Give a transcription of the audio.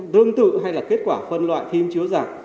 tương tự hay là kết quả phân loại phim chiếu giặc